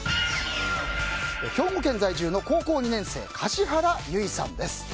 兵庫県在住の高校２年生樫原優衣さんです。